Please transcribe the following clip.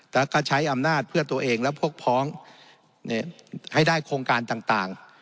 แล้วก็ใช้อำนาจเพื่อตัวเองและพวกพ้องให้ได้โครงการต่าง